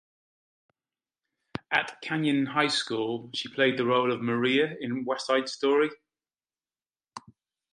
At Canyon High School, she played the role of Maria in "West Side Story".